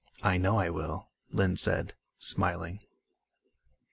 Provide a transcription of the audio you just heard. "I know I will," Lynn said, smiling.